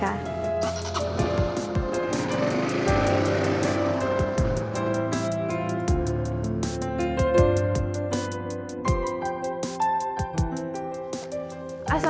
udah ada pacarnya